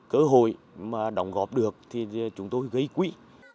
cơ hội mà đóng góp được thì chúng tôi gây quỹ